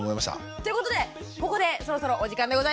ってことでここでそろそろお時間でございます！